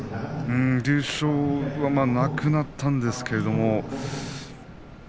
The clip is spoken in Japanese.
優勝はなくなったんですけれど。